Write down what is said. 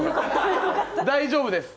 大丈夫です。